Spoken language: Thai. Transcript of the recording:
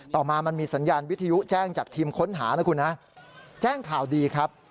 ต่อมามันมีสัญญาณวิทยุแจ้งจากทีมค้นหานะคุณนะแจ้งข่าวดีครับ